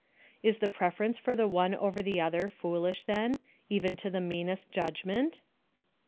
Is the preference for the one over the other foolish then even to the meanest judgment?